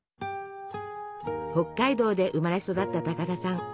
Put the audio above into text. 北海道で生まれ育った高田さん。